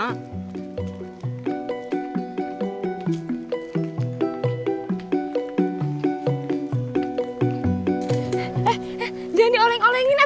eh eh eh jangan dioleng olengin a'ah